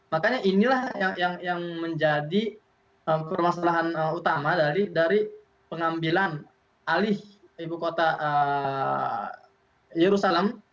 makanya inilah yang menjadi permasalahan utama dari pengambilan alih ibu kota yerusalem